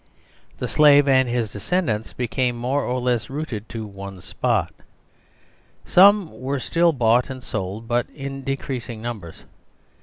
The Slave and his descendants became more or less rooted to one spot. Some were still bought and sold, but in decreasing numbers.